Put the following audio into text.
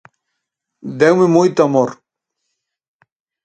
Deume moito amor.